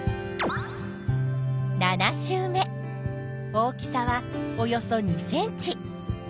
大きさはおよそ２ｃｍ。